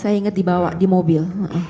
saya ingat dibawa di mobil